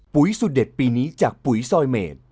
สุดเด็ดปีนี้จากปุ๋ยซอยเมด